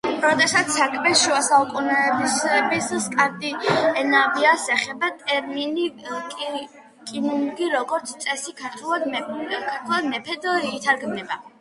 როდესაც საქმე შუასაუკუნეების სკანდინავიას ეხება, ტერმინი კონუნგი, როგორც წესი, ქართულად „მეფედ“ ითარგმნება.